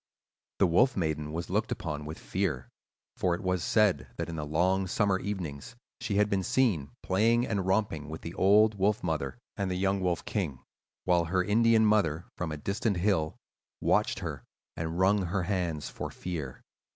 "The Wolf Maiden was looked upon with fear; for it was said that in the long summer evenings she had been seen playing and romping with the old mother wolf and the young Wolf King; while her Indian mother, from a distant hill, watched her, and wrung her hands for fear.